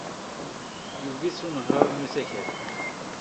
Yuges unehhaṛ n usakal.